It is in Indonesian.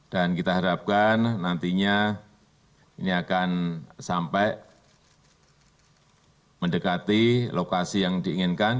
dan kita harapkan nantinya ini akan sampai mendekati lokasi yang diinginkan